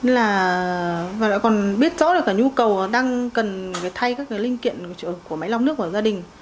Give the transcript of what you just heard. nên là họ còn biết rõ cả nhu cầu đang cần thay các cái linh kiện của máy lọc nước của gia đình